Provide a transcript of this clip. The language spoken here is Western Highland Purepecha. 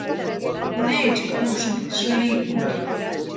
¿Necha úsïni sïrikuni?